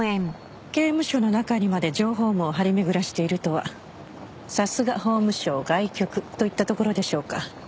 刑務所の中にまで情報網張り巡らしているとはさすが法務省外局といったところでしょうか。